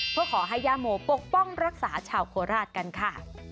เพื่อขอให้ย่าโมปกป้องรักษาชาวโคราชกันค่ะ